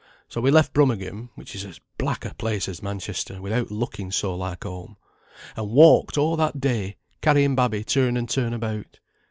So we left Brummagem, (which is as black a place as Manchester, without looking so like home), and walked a' that day, carrying babby turn and turn about.